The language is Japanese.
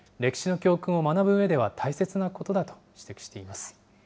歴史の教訓を学ぶ上では大切なことだと指摘しています。